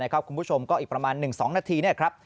คุณผู้ชมก็อีกประมาณ๑๒นาที